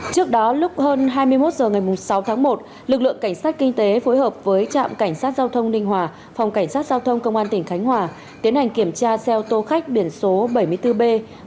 trước đó lúc hơn hai mươi một h ngày sáu tháng một lực lượng cảnh sát kinh tế phối hợp với trạm cảnh sát giao thông ninh hòa phòng cảnh sát giao thông công an tỉnh khánh hòa tiến hành kiểm tra xe ô tô khách biển số bảy mươi bốn b một nghìn chín trăm bảy mươi